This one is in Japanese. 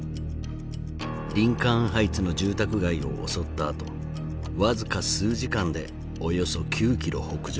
リンカーン・ハイツの住宅街を襲ったあと僅か数時間でおよそ９キロ北上。